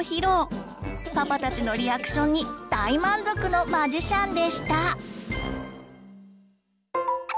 パパたちのリアクションに大満足のマジシャンでした！